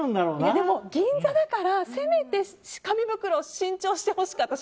でも、銀座だからせめて紙袋新調してほしかった。